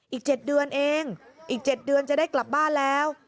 อีก๗เดือนเองอีก๗เดือนจะได้กลับบ้านแล้ว